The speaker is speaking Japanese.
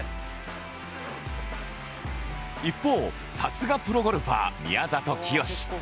一方さすがプロゴルファー宮里聖志